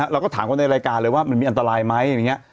เราก็ถามคนในรายการเลยว่ามันมีอันตรายไหม